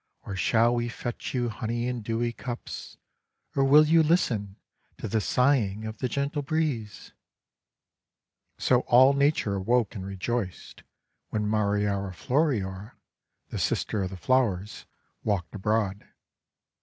Or shall we fetch you honey in dewy cups? Or will you listen to the sighing of the gentle breeze? ' So all Nature awoke and rejoiced, when Mari ora Floriora, the Sister of the Flowers, walked abroad.